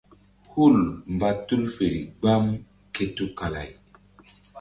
Hul mba tul feri gbam ké tukala-ay.